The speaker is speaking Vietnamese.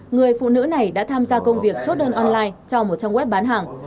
người phụ nữ này đã tham gia công việc chốt đơn online cho một trang web bán hàng